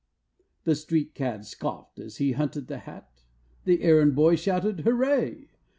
The street cad scoffed as he hunted the hat, The errand boy shouted hooray!